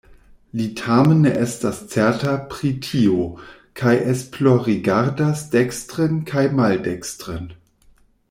Li tamen ne estas certa pri tio kaj esplorrigardas dekstren kaj maldekstren.